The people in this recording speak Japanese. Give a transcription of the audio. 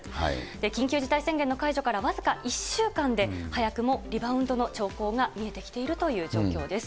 緊急事態宣言の解除から僅か１週間で、早くもリバウンドの兆候が見えてきているという状況です。